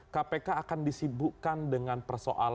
kpk akan disibukkan dengan persoalan